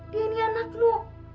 dia ini anak lu